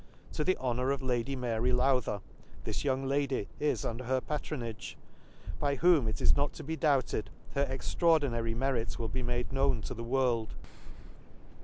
— To the honour of Lady Mary Lowther, this young Lady is under her patronage, by whom, it is not to be doubted, her ex traordinary merit will be made known tq £he world.